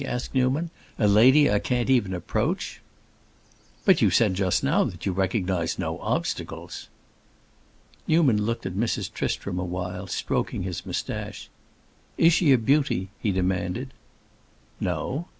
asked Newman. "A lady I can't even approach?" "But you said just now that you recognized no obstacles." Newman looked at Mrs. Tristram a while, stroking his moustache. "Is she a beauty?" he demanded. "No."